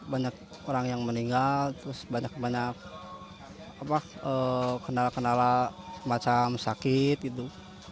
banyak orang yang meninggal terus banyak banyak kenal kenal macam sakit gitu